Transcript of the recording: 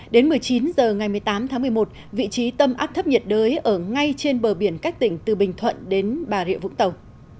đến một mươi chín h ngày một mươi tám tháng một mươi một vị trí tâm áp thấp nhiệt đới ở ngay trên bờ biển các tỉnh từ bình thuận đến bà rịa vũng tàu